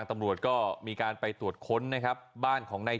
ไม่ได้ติดผ่านหนู